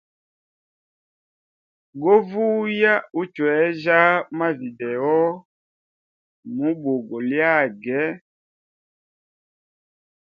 Go vuya uchwejya ma video mu bugo lyage.